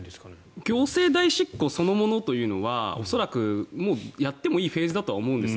代行政代執行そのものというのは恐らくやってもいいフェーズだと思うんですね。